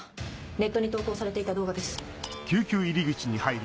ネットに投稿されていた動画です。